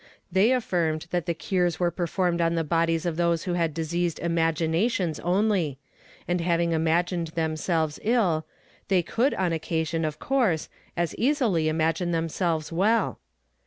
They affirmed that the cures were performed on the bodies of those who had diseased imaginations only, and having imagined themselves ill, they could on occasion, of course, as easily imagine themselves well.